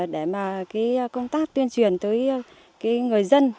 để mà công tác tuyên truyền tới người dân